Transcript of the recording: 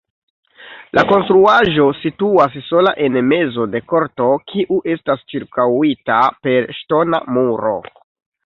La konstruaĵo situas sola en mezo de korto, kiu estas ĉirkaŭita per ŝtona muro.